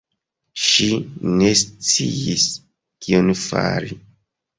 Ŝi ne sciis kion fari.